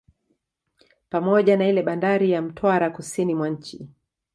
Pamoja na ile bandari ya Mtwara kusini mwa nchi